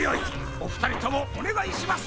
おふたりともおねがいします！